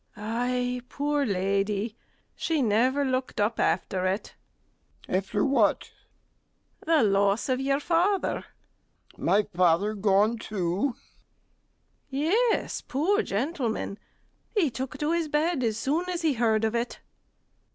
Ay, poor lady, she never looked up after it. MR. G. After what? STEWARD. The loss of your father. MR. G. My father gone too? STEWARD. Yes, poor gentleman, he took to his bed as soon as he heard of it.